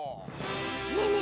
ねえねえ